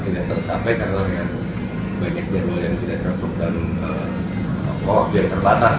tidak tercapai karena dengan banyak jadwal yang tidak cocok dan waktu yang terbatas